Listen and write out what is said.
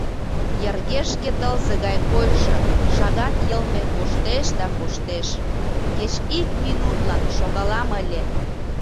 Йыргешке тылзе гай койшо шагат йылме коштеш да коштеш, кеч ик минутлан шогалам ыле.